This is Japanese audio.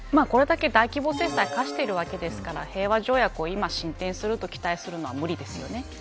これだけ大規模制裁を課しているわけですから平和条約を今進展することを期待するのは無理ですよね。